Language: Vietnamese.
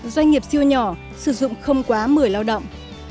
doanh nghiệp siêu nhỏ sử dụng không quá một mươi lao động